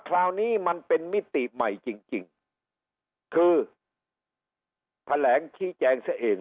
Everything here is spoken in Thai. คราวนี้มันเป็นมิติใหม่จริงจริงคือแถลงชี้แจงซะเอง